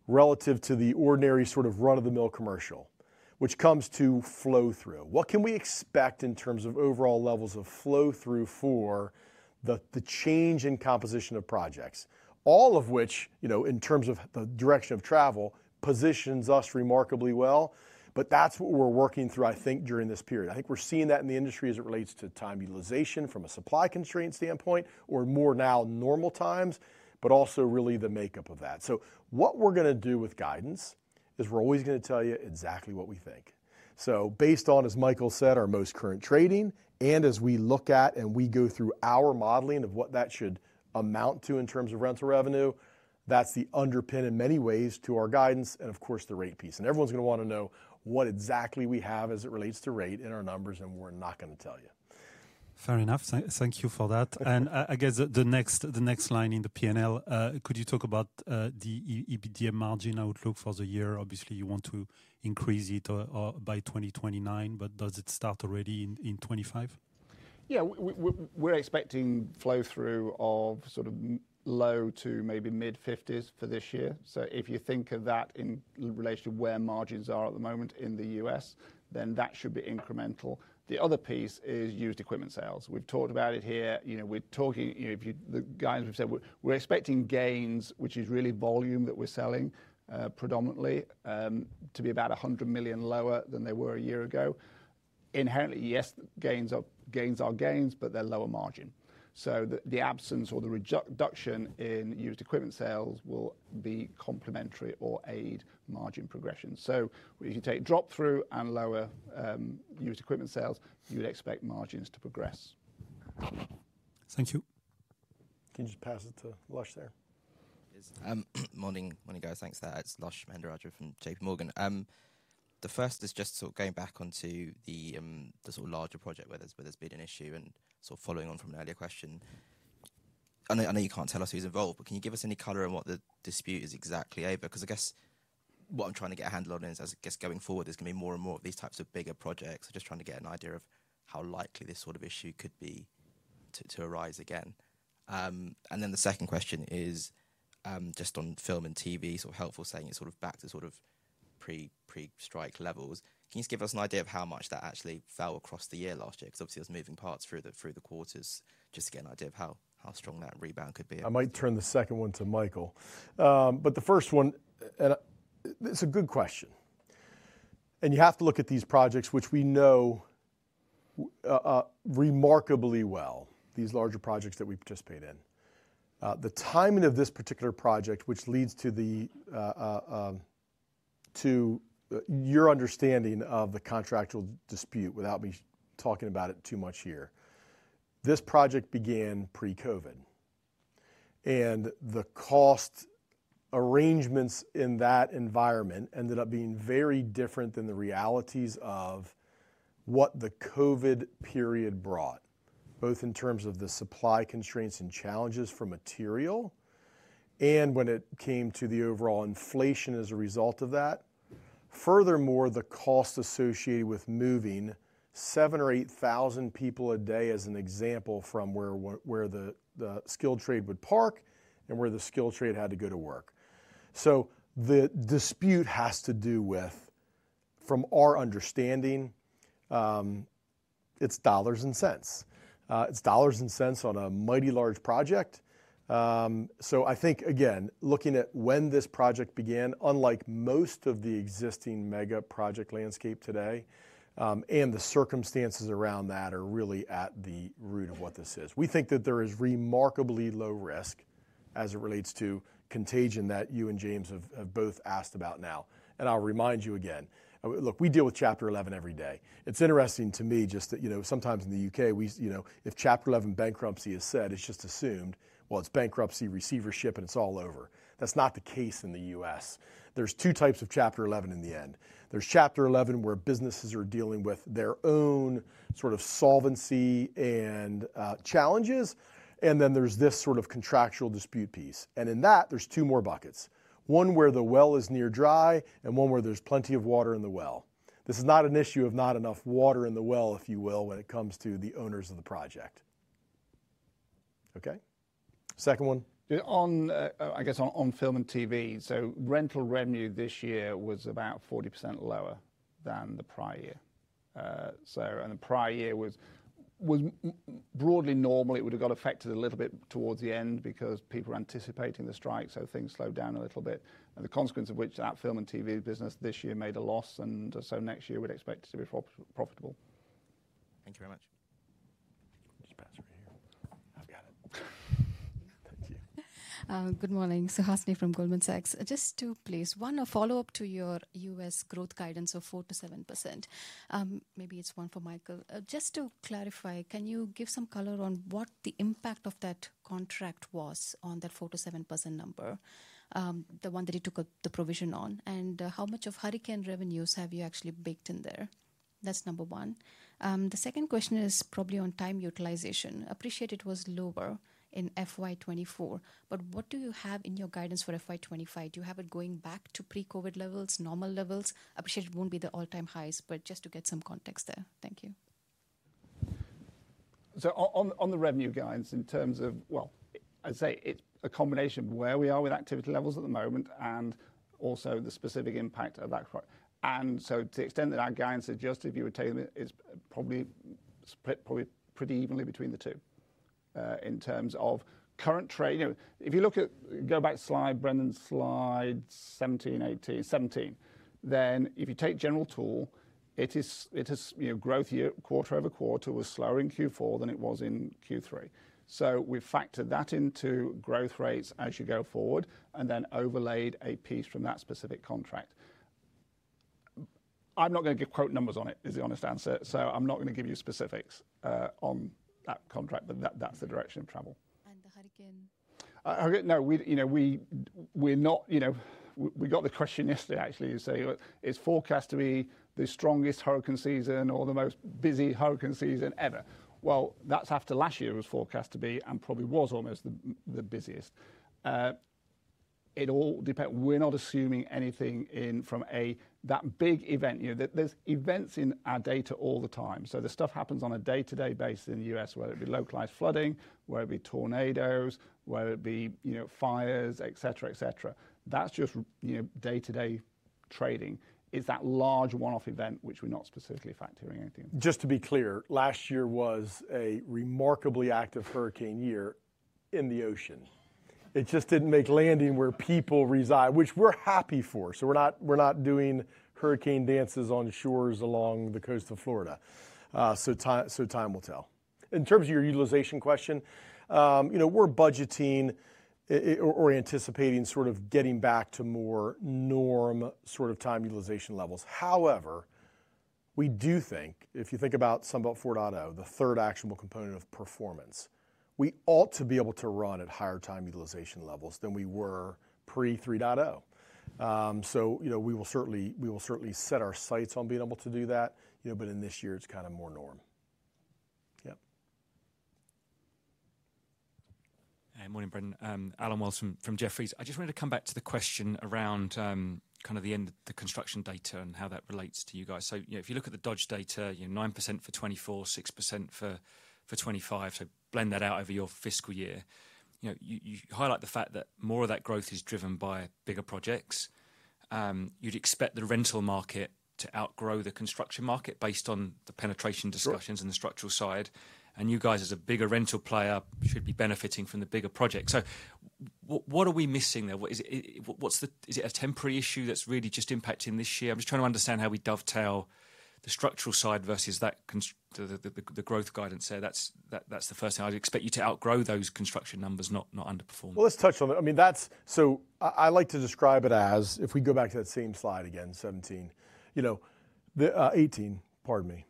relative to the ordinary sort of run-of-the-mill commercial, which comes to flow through. What can we expect in terms of overall levels of flow through for the, the change in composition of projects? All of which, you know, in terms of the direction of travel, positions us remarkably well, but that's what we're working through, I think, during this period. I think we're seeing that in the industry as it relates to time utilization from a supply constraint standpoint or more now normal times, but also really the makeup of that. What we're gonna do with guidance is we're always gonna tell you exactly what we think. Based on, as Michael said, our most current trading, and as we look at and we go through our modeling of what that should amount to in terms of rental revenue, that's the underpin in many ways to our guidance and of course, the rate piece. Everyone's gonna wanna know what exactly we have as it relates to rate in our numbers, and we're not gonna tell you. Fair enough. Thank you for that. I guess the next line in the P&L, could you talk about the EBITDA margin outlook for the year? Obviously, you want to increase it by 2029, but does it start already in 2025? Yeah, we're expecting flow-through of sort of low- to mid-50s% for this year. So if you think of that in relation to where margins are at the moment in the U.S., then that should be incremental. The other piece is used equipment sales. We've talked about it here. You know, we're talking, you know, if you... The guys have said we're expecting gains, which is really volume that we're selling, predominantly, to be about $100 million lower than they were a year ago. Inherently, yes, gains are, gains are gains, but they're lower margin. So the, the absence or the reduction in used equipment sales will be complementary or aid margin progression. So if you take drop-through and lower, used equipment sales, you would expect margins to progress. Thank you. Can you just pass it to Lushanthan? Yes, morning, morning, guys. Thanks for that. It's Lushanthan Mahendrarajah from JPMorgan. The first is just sort of going back onto the, the sort of larger project where there's, where there's been an issue and sort of following on from an earlier question. I know, I know you can't tell us who's involved, but can you give us any color on what the dispute is exactly over? Because I guess what I'm trying to get a handle on is, as I guess going forward, there's going to be more and more of these types of bigger projects. So just trying to get an idea of how likely this sort of issue could be to, to arise again. And then the second question is, just on Film & TV, so helpful saying it's sort of back to sort of pre, pre-strike levels. Can you just give us an idea of how much that actually fell across the year last year? Because obviously, it was moving parts through the quarters. Just to get an idea of how strong that rebound could be. I might turn the second one to Michael. But the first one, it's a good question, and you have to look at these projects, which we know remarkably well, these larger projects that we participate in. The timing of this particular project, which leads to your understanding of the contractual dispute, without me talking about it too much here. This project began pre-COVID, and the cost arrangements in that environment ended up being very different than the realities of what the COVID period brought, both in terms of the supply constraints and challenges for material and when it came to the overall inflation as a result of that. Furthermore, the cost associated with moving 7,000 or 8,000 people a day as an example from where the skilled trade would park and where the skilled trade had to go to work. So the dispute has to do with, from our understanding, it's dollars and cents. It's dollars and cents on a mighty large project. So I think, again, looking at when this project began, unlike most of the existing mega project landscape today, and the circumstances around that are really at the root of what this is. We think that there is remarkably low risk as it relates to contagion that you and James have both asked about now, and I'll remind you again. Look, we deal with Chapter 11 every day. It's interesting to me just that, you know, sometimes in the U.K., we, you know, if Chapter 11 bankruptcy is said, it's just assumed, well, it's bankruptcy, receivership, and it's all over. That's not the case in the U.S.. There's two types of Chapter 11 in the end. There's Chapter 11, where businesses are dealing with their own sort of solvency and challenges, and then there's this sort of contractual dispute piece, and in that, there's two more buckets: one where the well is near dry and one where there's plenty of water in the well. This is not an issue of not enough water in the well, if you will, when it comes to the owners of the project. Okay, second one. On, I guess on Film & TV. So rental revenue this year was about 40% lower than the prior year. So, and the prior year was broadly normal. It would have got affected a little bit towards the end because people were anticipating the strike, so things slowed down a little bit. And the consequence of which, that Film & TV business this year made a loss, and so next year, we'd expect to be profitable. Thank you very much. Just pass it right here. I've got it. Thank you. Good morning. Suhasini from Goldman Sachs. Just two, please. One, a follow-up to your U.S. growth guidance of 4%-7%. Maybe it's one for Michael. Just to clarify, can you give some color on what the impact of that contract was on that 4%-7% number, the one that you took the provision on? And, how much of hurricane revenues have you actually baked in there? That's number one. The second question is probably on time utilization. Appreciate it was lower in FY 2024, but what do you have in your guidance for FY 2025? Do you have it going back to pre-COVID levels, normal levels? Appreciate it won't be the all-time highs, but just to get some context there. Thank you. So on the revenue guidance, in terms of... Well, I'd say it's a combination of where we are with activity levels at the moment and also the specific impact of that contract. And so to the extent that our guidance adjusted, you would take them, it's probably split probably pretty evenly between the two. In terms of current trade, you know, if you look at go back slide, Brendan, slide 17, 18, 17, then if you take General Tool, it is, you know, growth year quarter-over-quarter was slower in Q4 than it was in Q3. So we've factored that into growth rates as you go forward and then overlaid a piece from that specific contract. I'm not gonna give quote numbers on it, is the honest answer, so I'm not going to give you specifics on that contract, but that, that's the direction of travel. And the hurricane? Hurricane. No, we, you know, we're not, you know, we got the question yesterday, actually, to say, "Well, it's forecast to be the strongest hurricane season or the most busy hurricane season ever." Well, that's after last year was forecast to be and probably was almost the busiest. It all depends. We're not assuming anything in from a, that big event. You know, there's events in our data all the time. So the stuff happens on a day-to-day basis in the U.S., whether it be localized flooding, whether it be tornadoes, whether it be, you know, fires, et cetera, et cetera. That's just, you know, day-to-day trading. It's that large one-off event, which we're not specifically factoring anything. Just to be clear, last year was a remarkably active hurricane year in the ocean. It just didn't make landfall where people reside, which we're happy for. So we're not doing hurricane dances on shores along the coast of Florida. So time will tell. In terms of your utilization question, you know, we're budgeting or anticipating sort of getting back to more normal sort of time utilization levels. However, we do think, if you think about Sunbelt 4.0 data, the third actionable component of performance, we ought to be able to run at higher time utilization levels than we were pre-Sunbelt 3.0. So, you know, we will certainly set our sights on being able to do that, you know, but in this year it's kinda more normal. Yep. Hey, morning, Brendan. Allen Wells from Jefferies. I just wanted to come back to the question around, kind of the end, the construction data and how that relates to you guys. So, you know, if you look at the Dodge data, you know, 9% for 2024, 6% for 2025, so blend that out over your fiscal year. You know, you highlight the fact that more of that growth is driven by bigger projects. You'd expect the rental market to outgrow the construction market based on the penetration discussions on the structural side, and you guys, as a bigger rental player, should be benefiting from the bigger project. So what are we missing there? What is it? What's the? Is it a temporary issue that's really just impacting this year? I'm just trying to understand how we dovetail the structural side versus that construction, the growth guidance there. That's the first thing. I'd expect you to outgrow those construction numbers, not underperform. Well, let's touch on that. I mean, that's... So I like to describe it as, if we go back to that same slide again, 17. You know, the eighteen, pardon me.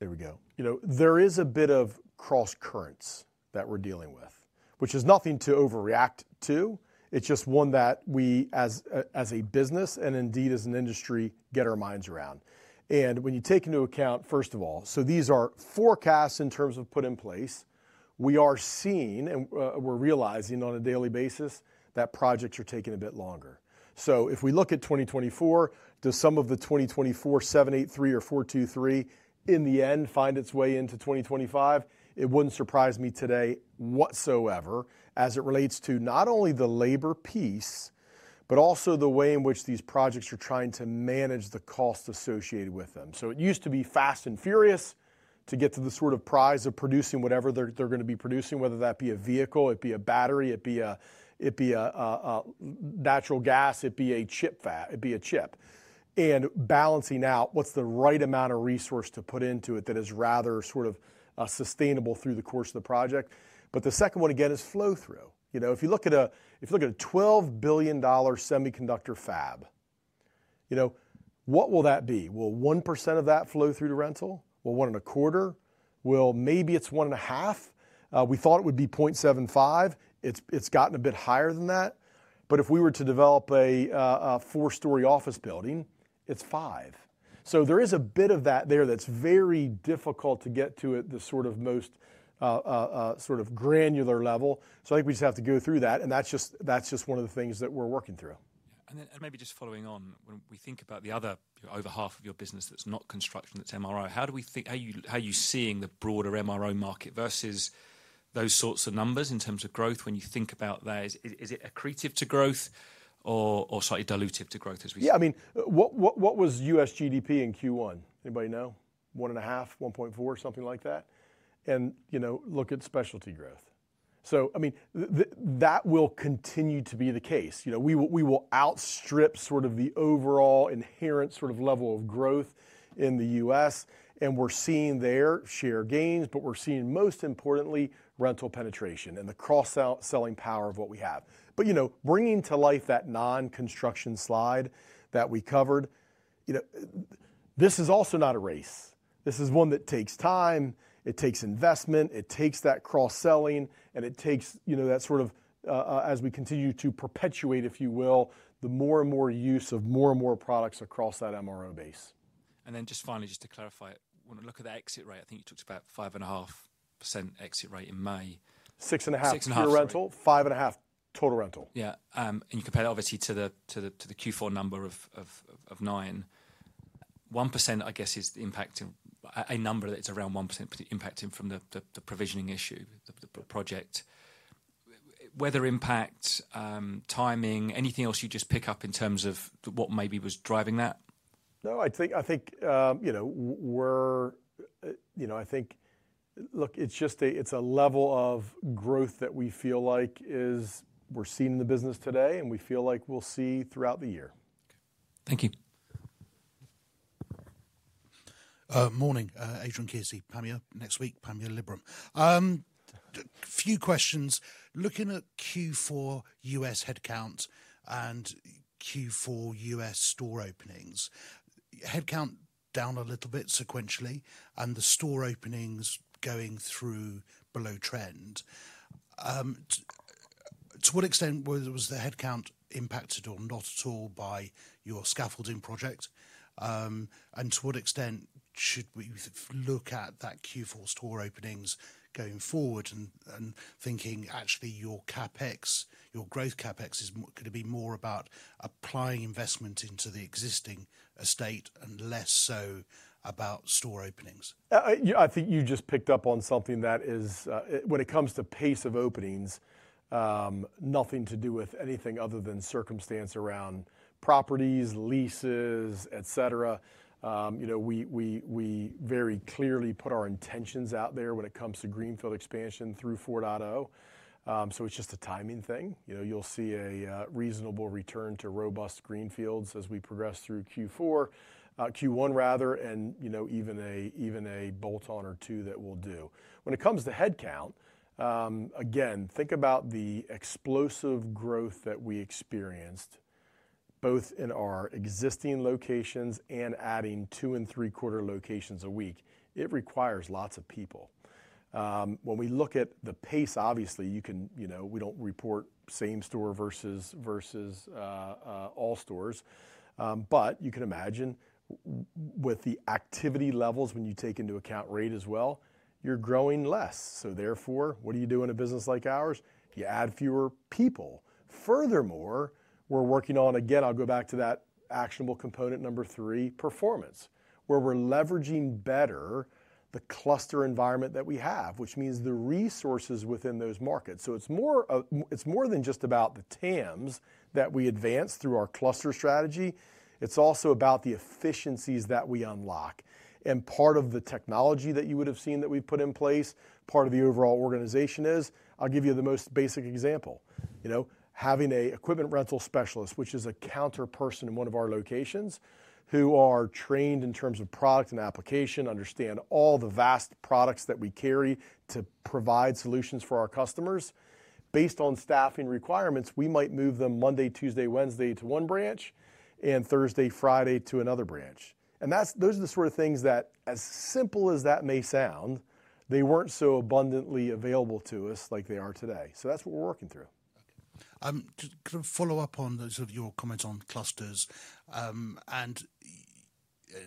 There we go. You know, there is a bit of crosscurrents that we're dealing with, which is nothing to overreact to. It's just one that we, as a business and indeed as an industry, get our minds around. And when you take into account, first of all, so these are forecasts in terms of put in place, we are seeing, and we're realizing on a daily basis, that projects are taking a bit longer. So if we look at 2024, do some of the 2024, 783 or 423, in the end, find its way into 2025? It wouldn't surprise me today whatsoever, as it relates to not only the labor piece, but also the way in which these projects are trying to manage the cost associated with them. So it used to be fast and furious to get to the sort of prize of producing whatever they're, they're gonna be producing, whether that be a vehicle, it be a battery, it be a natural gas, it be a chip fab- it be a chip. And balancing out what's the right amount of resource to put into it that is rather sort of sustainable through the course of the project. But the second one, again, is flow-through. You know, if you look at a, if you look at a $12 billion semiconductor fab, you know, what will that be? Will 1% of that flow through to rental? Will 1.25? Well, maybe it's 1.5. We thought it would be 0.75. It's gotten a bit higher than that. But if we were to develop a four-story office building, it's five. So there is a bit of that there that's very difficult to get to at the sort of most granular level. So I think we just have to go through that, and that's just one of the things that we're working through. Yeah. And then maybe just following on, when we think about the other over half of your business that's not construction, it's MRO. How do we think... How are you seeing the broader MRO market versus those sorts of numbers in terms of growth? When you think about that, is it accretive to growth or slightly dilutive to growth, as we- Yeah, I mean, what was U.S. GDP in Q1? Anybody know? 1.5, 1.4, something like that. And, you know, look at Specialty growth. So, I mean, that will continue to be the case. You know, we will outstrip sort of the overall inherent sort of level of growth in the U.S., and we're seeing there share gains, but we're seeing, most importantly, rental penetration and the cross-selling power of what we have. But, you know, bringing to life that non-construction slide that we covered, you know, this is also not a race. This is one that takes time, it takes investment, it takes that cross-selling, and it takes, you know, that sort of as we continue to perpetuate, if you will, the more and more use of more and more products across that MRO base. And then just finally, just to clarify, when we look at the exit rate, I think you talked about 5.5% exit rate in May. 6.5% pure rental, 5.5%, total rental. Yeah, and you compare obviously to the Q4 number of 9. 1%, I guess, is impacting a number that's around 1% impacted from the provisioning issue, the weather impact, timing, anything else you just pick up in terms of what maybe was driving that? No, I think, I think, you know, we're, you know, I think. Look, it's just a level of growth that we feel like is we're seeing in the business today, and we feel like we'll see throughout the year. Thank you. Morning, Adrian Kearsey, Panmure. Next week, Panmure Liberum. Few questions. Looking at Q4 U.S. headcount and Q4 U.S. store openings, headcount down a little bit sequentially, and the store openings going through below trend. To what extent was the headcount impacted or not at all by your scaffolding project? And to what extent should we look at that Q4 store openings going forward and thinking actually your CapEx, your growth CapEx is gonna be more about applying investment into the existing estate and less so about store openings? Yeah, I think you just picked up on something that is, when it comes to pace of openings, nothing to do with anything other than circumstance around properties, leases, et cetera. You know, we very clearly put our intentions out there when it comes to greenfield expansion through 4.0. So it's just a timing thing. You know, you'll see a reasonable return to robust greenfields as we progress through Q4, Q1 rather, and, you know, even a bolt-on or two that we'll do. When it comes to headcount, again, think about the explosive growth that we experienced both in our existing locations and adding 2.75 locations a week, it requires lots of people. When we look at the pace, obviously, you can, you know, we don't report same store versus all stores. But you can imagine with the activity levels, when you take into account rate as well, you're growing less. So therefore, what do you do in a business like ours? You add fewer people. Furthermore, we're working on, again, I'll go back to that actionable component number three, performance, where we're leveraging better the cluster environment that we have, which means the resources within those markets. So it's more, it's more than just about the TAMs that we advance through our cluster strategy. It's also about the efficiencies that we unlock. Part of the technology that you would have seen that we've put in place, part of the overall organization is, I'll give you the most basic example: you know, having an equipment rental specialist, which is a counter person in one of our locations, who are trained in terms of product and application, understand all the vast products that we carry to provide solutions for our customers. Based on staffing requirements, we might move them Monday, Tuesday, Wednesday to one branch, and Thursday, Friday to another branch. And that's, those are the sort of things that, as simple as that may sound, they weren't so abundantly available to us like they are today. That's what we're working through. Just kind of follow up on those of your comments on clusters, and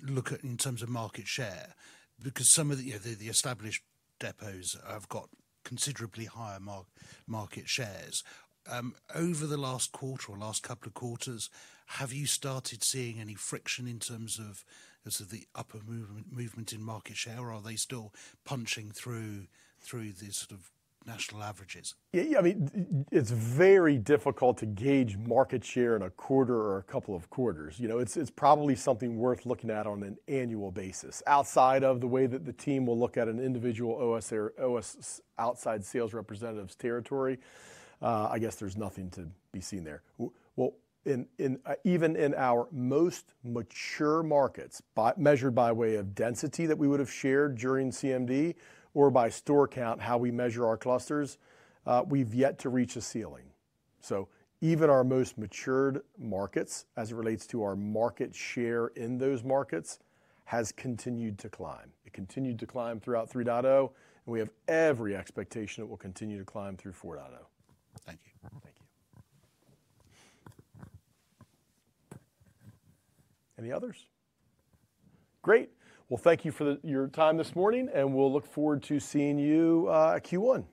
look at in terms of market share, because some of the, you know, the established depots have got considerably higher market shares. Over the last quarter or last couple of quarters, have you started seeing any friction in terms of, sort of the upper movement in market share, or are they still punching through the sort of national averages? Yeah, I mean, it's very difficult to gauge market share in a quarter or a couple of quarters. You know, it's, it's probably something worth looking at on an annual basis. Outside of the way that the team will look at an individual OSR, outside sales representative's territory, I guess there's nothing to be seen there. Well, even in our most mature markets, by measured by way of density that we would have shared during CMD or by store count, how we measure our clusters, we've yet to reach a ceiling. So even our most matured markets, as it relates to our market share in those markets, has continued to climb. It continued to climb throughout 3.0, and we have every expectation it will continue to climb through 4.0. Thank you. Thank you. Any others? Great! Well, thank you for your time this morning, and we'll look forward to seeing you, Q1.